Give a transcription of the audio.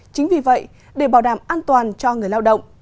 chính vì vậy để bảo đảm an toàn cho người lao động